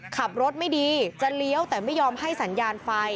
ขับรถไม่ดีจะเลี้ยวแต่ไม่ยอมให้สัญญาณไฟ